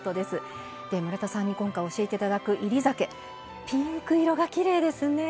村田さんに今回教えて頂く煎り酒ピンク色がきれいですね。